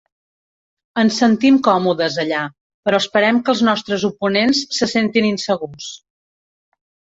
Ens sentim còmodes allà, però esperem que els nostres oponents se sentin insegurs.